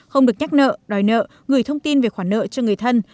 không được nhắc nợ đòi nợ gửi thông tin về khoản nợ cho người thân